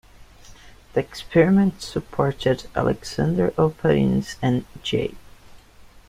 The experiment supported Alexander Oparin's and J.